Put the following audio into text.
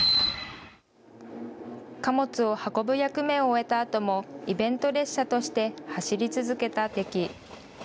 貨物を運ぶ役目を終えたあともイベント列車として走り続けたデキ。